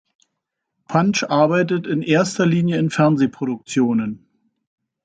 Punch arbeitet in erster Linie in Fernsehproduktionen.